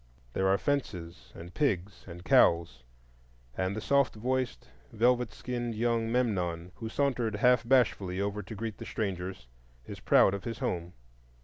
There are fences and pigs and cows, and the soft voiced, velvet skinned young Memnon, who sauntered half bashfully over to greet the strangers, is proud of his home.